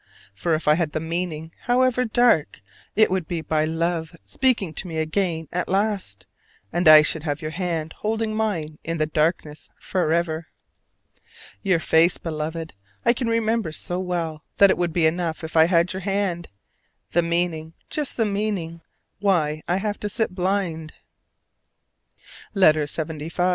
For if I had the meaning, however dark, it would be by love speaking to me again at last; and I should have your hand holding mine in the darkness forever. Your face, Beloved, I can remember so well that it would be enough if I had your hand: the meaning, just the meaning, why I have to sit blind. LETTER LXXV.